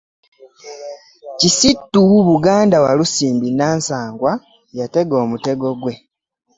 Kisitu Buganda Walusimbi Nansangwa yatega omutego gwe.